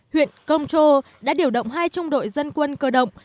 huyện kongcho đã điều động hai trung đội dân quân cơ động